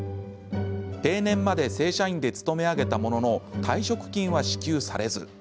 定年まで正社員で勤め上げたものの退職金は支給されず。